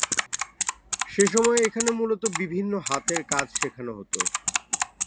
সেসময় এখানে মূলত বিভিন্ন হাতের কাজ শেখানো হতো।